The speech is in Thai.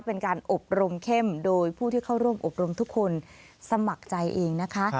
เป็นการอบรมเข้มโดยผู้ที่เข้าร่วมอบรมทุกคนสมัครใจเองนะคะ